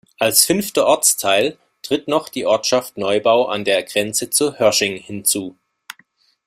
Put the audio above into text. Als fünfter Ortsteil tritt noch die Ortschaft Neubau an der Grenze zu Hörsching hinzu.